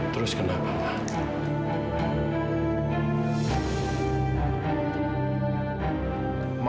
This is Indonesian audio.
terus kenapa mak